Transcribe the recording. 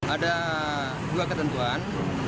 ada dua ketentuan